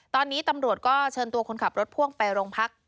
ตอนนี้ตำรวจก็เชิญตัวคนขับรถพ่วงไปโรงพัก